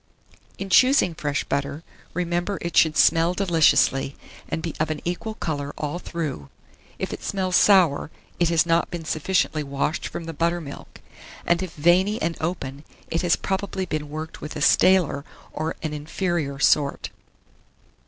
] In choosing fresh butter, remember it should smell deliciously, and be of an equal colour all through: if it smells sour, it has not been sufficiently washed from the buttermilk; and if veiny and open, it has probably been worked with a staler or an inferior sort.